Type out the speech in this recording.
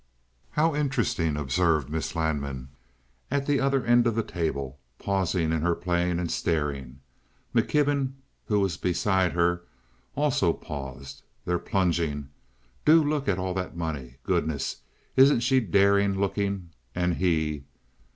"How interesting!" observed Miss Lanman, at the other end of the table, pausing in her playing and staring. McKibben, who was beside her, also paused. "They're plunging. Do look at all the money! Goodness, isn't she daring looking—and he?"